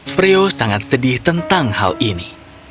freo sangat sedih tentang hal ini